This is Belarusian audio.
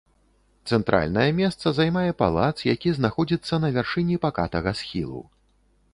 Цэнтральнае месца займае палац, які знаходзіцца на вяршыні пакатага схілу.